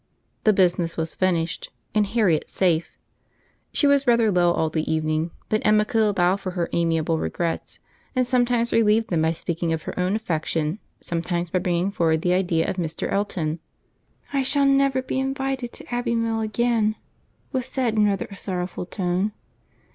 The business was finished, and Harriet safe. She was rather low all the evening, but Emma could allow for her amiable regrets, and sometimes relieved them by speaking of her own affection, sometimes by bringing forward the idea of Mr. Elton. "I shall never be invited to Abbey Mill again," was said in rather a sorrowful tone.